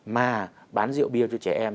mà bán rượu bia cho trẻ em